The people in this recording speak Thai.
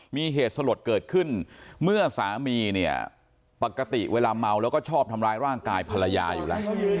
มีเหตุสลดเกิดขึ้นเมื่อสามีเนี่ยปกติเวลาเมาแล้วก็ชอบทำร้ายร่างกายภรรยาอยู่แล้ว